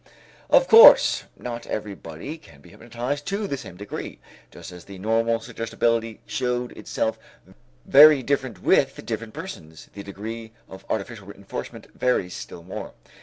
Of course, not everybody can be hypnotized to the same degree. Just as the normal suggestibility showed itself very different with different persons, the degree of artificial reënforcement varies still more.